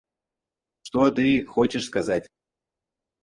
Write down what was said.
Что ты хочешь сказать?